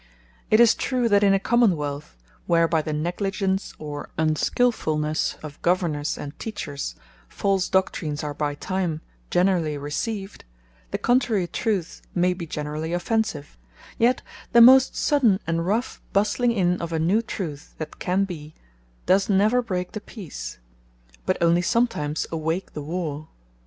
It is true, that in a Common wealth, where by the negligence, or unskilfullnesse of Governours, and Teachers, false Doctrines are by time generally received; the contrary Truths may be generally offensive; Yet the most sudden, and rough busling in of a new Truth, that can be, does never breake the Peace, but onely somtimes awake the Warre.